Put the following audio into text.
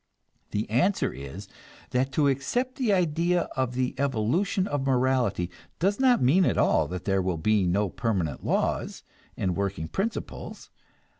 The answer is that to accept the idea of the evolution of morality does not mean at all that there will be no permanent laws and working principles.